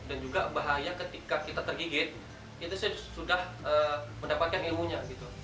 dan juga bahaya ketika kita tergigit itu saya sudah mendapatkan ilmunya